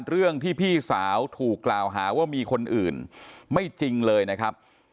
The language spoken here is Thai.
เรื่องที่พี่สาวถูกกล่าวหาว่ามีคนอื่นไม่จริงเลยนะครับ